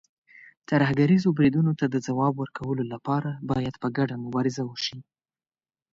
ترهګریزو بریدونو ته د ځواب ورکولو لپاره، باید ګډه مبارزه وشي.